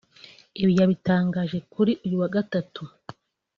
Ibi yabitangaje kuri uyu wa Gatatu